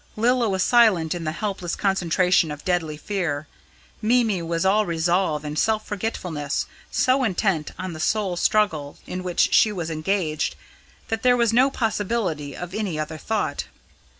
Lilla was silent in the helpless concentration of deadly fear; Mimi was all resolve and self forgetfulness, so intent on the soul struggle in which she was engaged that there was no possibility of any other thought.